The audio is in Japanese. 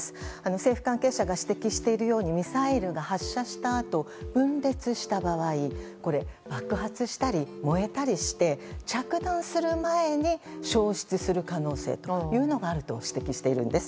政府関係者が指摘しているようにミサイルが発射したあと分裂した場合爆発したり、燃えたりして着弾する前に消失する可能性というのがあると指摘しているんです。